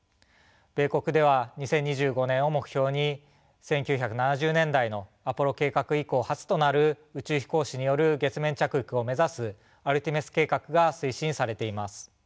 米国では２０２５年を目標に１９７０年代のアポロ計画以降初となる宇宙飛行士による月面着陸を目指すアルテミス計画が推進されています。